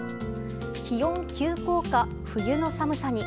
気温急降下、冬の寒さに。